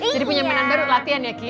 jadi punya mainan baru latihan ya ki